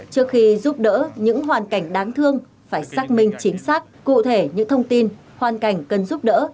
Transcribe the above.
trước khi giúp đỡ những hoàn cảnh đáng thương phải xác minh chính xác cụ thể những thông tin hoàn cảnh cần giúp đỡ